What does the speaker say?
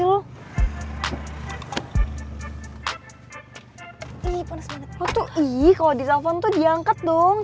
lo tuh iiih kalo di telepon tuh diangkat dong